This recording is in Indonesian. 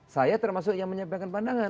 saya termasuk yang menyampaikan pandangan